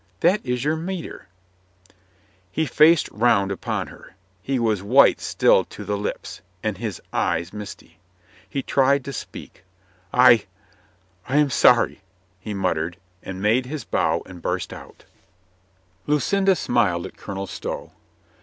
That is your metier." He faced round upon her. He was white still to the lips, and his eyes misty. He tried to speak. "I — I am sorry," he muttered, and made his bow and bur^ out. 142 COLONEL GREATHEART Lucinda smiled at Colonel Stow.